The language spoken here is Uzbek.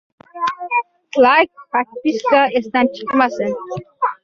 Har so‘zni cherti-chertib aytadi. Nima qilsayam yurist-da!